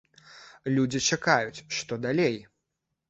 Людзі чакаюць, што далей?